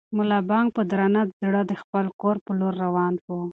ملا بانګ په درانه زړه د خپل کور په لور روان و.